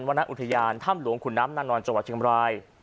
วรรณอุทยานถ้ำหลวงขุนน้ำนานอนจเชียงบราย